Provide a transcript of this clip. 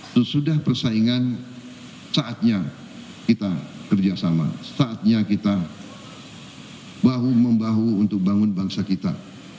sesudah persaingan saatnya kita kerjasama saatnya kita bahu membahu untuk bangun bangsa kita